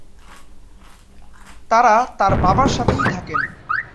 তারা তার বাবার সাথেই থাকেন।